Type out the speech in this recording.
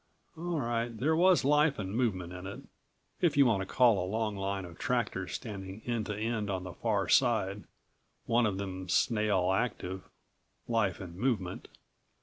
All right, there was life and movement in it, if you want to call a long line of tractors standing end to end on the far side, one of them snail active, life and movement.